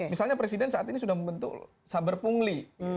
misalnya presiden saat ini sudah membentuk saber pungli